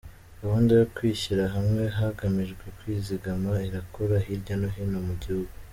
Gahunda yo kwishyira hamwe hagamijwe kwizigama irakora hirya no hino mu gihugu.